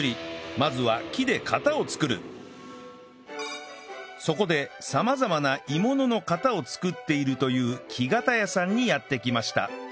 まずはそこで様々な鋳物の型を作っているという木型屋さんにやって来ました